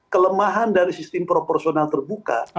kelemahan dari sistem proporsional terbuka